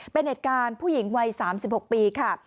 เป็นเหตุการณ์ผู้หญิงวัย๓๖ปีค่ะ